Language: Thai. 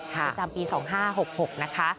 ประจำปี๒๕๖๖นะคะ